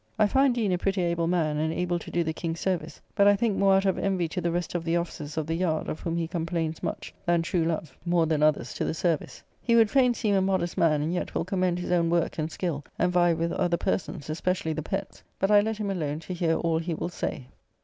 I find Deane a pretty able man, and able to do the King service; but, I think, more out of envy to the rest of the officers of the yard, of whom he complains much, than true love, more than others, to the service. He would fain seem a modest man, and yet will commend his own work and skill, and vie with other persons, especially the Petts, but I let him alone to hear all he will say.